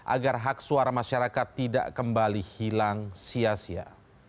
agar hak suara masyarakat tidak kembali hilang sia sia